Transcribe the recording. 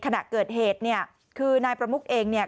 ขณะเกิดเหตุเนี่ยคือนายประมุกเองเนี่ย